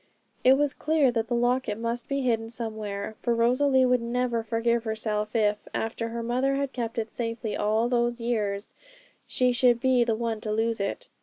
It was clear that the locket must be hidden somewhere, for Rosalie would never forgive herself if, after her mother had kept it safely all those years, she should be the one to lose it.